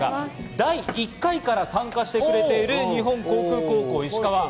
第１回から参加してくれてる日本航空高校石川。